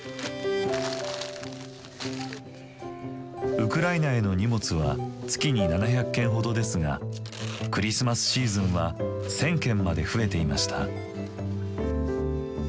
ウクライナへの荷物は月に７００件ほどですがクリスマスシーズンは１，０００件まで増えていました。